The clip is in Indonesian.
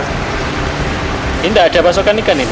ini tidak ada pasokan ikan ini